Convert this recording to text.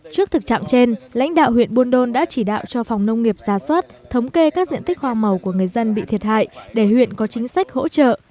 trước thực trạng trên lãnh đạo huyện buôn đôn đã chỉ đạo cho phòng nông nghiệp ra soát thống kê các diện tích hoa màu của người dân bị thiệt hại để huyện có chính sách hỗ trợ